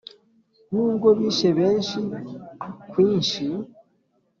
N’ubwo bishe benshi kwinshi,